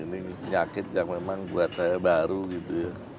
ini penyakit yang memang buat saya baru gitu ya